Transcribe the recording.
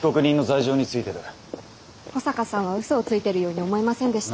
保坂さんはうそをついてるように思えませんでした。